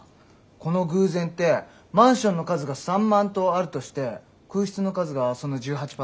この偶然ってマンションの数が３万棟あるとして空室の数がその１８％ぐらい？